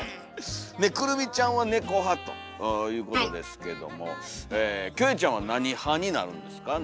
くるみちゃんはネコ派ということですけどもキョエちゃんは何派になるんですか？